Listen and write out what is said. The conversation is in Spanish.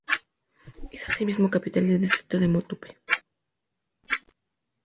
Es asimismo capital del distrito de Motupe.